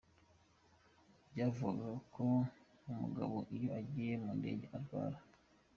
Byavugwaga ko Mugabo iyo agiye mu ndege arwara.